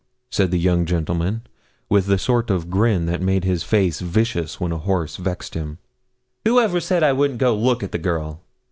said the young gentleman, with the sort of grin that made his face vicious when a horse vexed him. 'Who ever said I wouldn't go look at the girl?